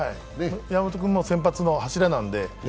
山本君も先発の柱なんで。